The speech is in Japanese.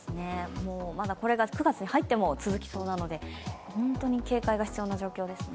まだこれが９月に入っても続きそうなので警戒が必要な状況ですね。